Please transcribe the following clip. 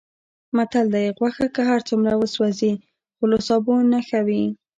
متل دی: غوښه که هرڅومره وسوځي، خو له سابو نه ښه وي.